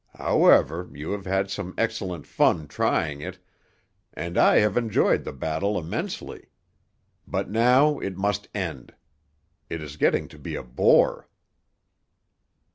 However, you have had some excellent fun trying it, and I have enjoyed the battle immensely. But now it must end. It is getting to be a bore."